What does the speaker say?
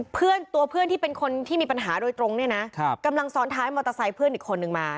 ตัวเพื่อนที่เป็นคนที่มีปัญหาโดยตรงเนี่ยนะกำลังซ้อนท้ายมอเตอร์ไซค์เพื่อนอีกคนนึงมา